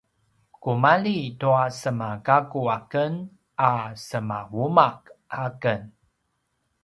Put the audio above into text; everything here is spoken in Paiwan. kumalji tua semagakku aken a semauma’ aken